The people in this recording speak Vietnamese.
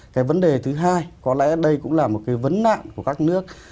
cái vấn đề thứ hai có lẽ đây cũng là một cái vấn nạn của các nước